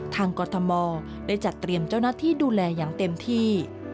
กรทมได้จัดเตรียมเจ้าหน้าที่ดูแลอย่างเต็มที่